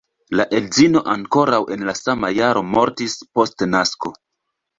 La edzino ankoraŭ en la sama jaro mortis, post nasko.